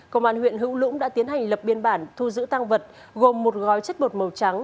công an huyện hữu lũng đã tiến hành lập biên bản thu giữ tăng vật gồm một gói chất bột màu trắng